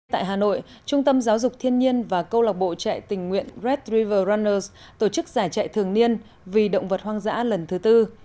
tại hà nội trung tâm giáo dục thiên nhiên và câu lạc bộ chạy tình nguyện redd river ronners tổ chức giải chạy thường niên vì động vật hoang dã lần thứ tư